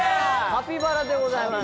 カピバラでございます。